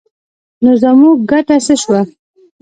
نو زموږ ګټه څه شوه؟